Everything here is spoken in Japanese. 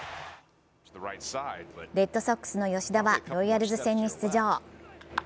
レッドソックスの吉田はロイヤルズ戦に出場。